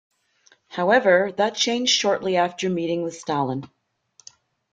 However, that changed shortly after a meeting with Stalin.